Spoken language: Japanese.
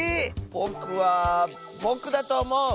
⁉ぼくはぼくだとおもう！